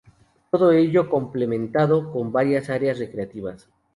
Todo ello complementado con varias áreas recreativas.